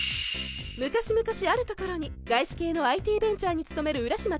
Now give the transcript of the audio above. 昔々あるところに外資系の ＩＴ ベンチャーに勤める浦島太郎がいました